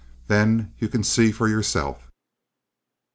Then you can see for yourself.